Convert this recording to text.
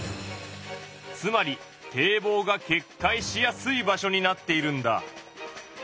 つまり堤防がけっかいしやすい場所になっているんだ。